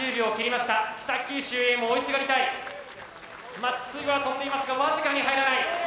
まっすぐは飛んでいますが僅かに入らない。